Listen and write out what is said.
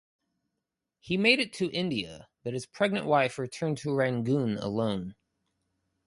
He made it to India but his pregnant wife returned to Rangoon alone.